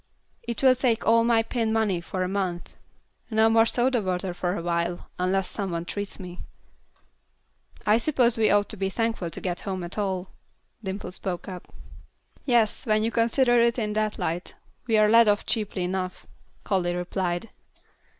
It will take all my pin money for a month. No more soda water for a while, unless some one treats me." "I suppose we ought to be thankful to get home at all," Dimple spoke up. "Yes, when you consider it in that light, we're let off cheaply enough," Callie replied.